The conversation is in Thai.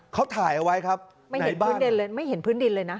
เขาถ่ายเอาไว้ครับไม่เห็นพื้นดินเลยไม่เห็นพื้นดินเลยนะ